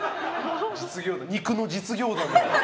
肉の実業団みたいな。